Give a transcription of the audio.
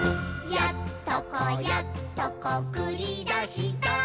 「やっとこやっとこくりだした」